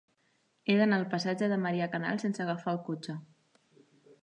He d'anar al passatge de Maria Canals sense agafar el cotxe.